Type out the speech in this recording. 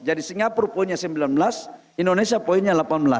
jadi singapura poinnya sembilan belas indonesia poinnya delapan belas